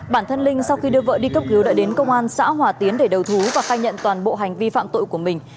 bản thân linh sau khi đưa vợ đi cấp cứu đã đến công an xã hòa tiến để đầu thú và khai nhận toàn bộ hành vi phạm tội của mình